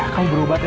kamu berobat ya